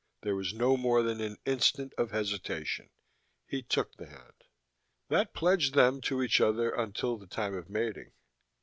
There was no more than an instant of hesitation. He took the hand. That pledged them to each other, until the time of mating.